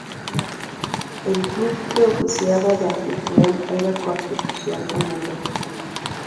El club que oficiaba de anfitrión era Constitución Unido.